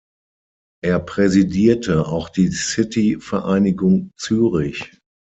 Er präsidierte auch die City Vereinigung Zürich.